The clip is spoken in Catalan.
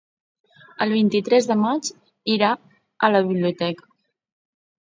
El vint-i-tres de maig irà a la biblioteca.